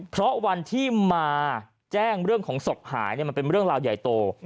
เพราะวันที่มาแจ้งเรื่องของศพหายมันเป็นเรื่องราวใหญ่โต